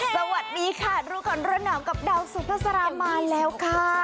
สวัสดีค่ะรูขอนรนอมกับดาวสุภาษามาแล้วค่ะ